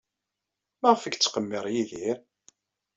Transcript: Maɣef ay yettqemmir Yidir?